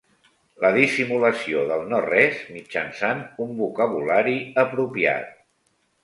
La dissimulació del no res mitjançant un vocabulari apropiat.